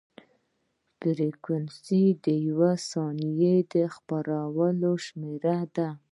فریکونسي د یوې ثانیې د څپو شمېر دی.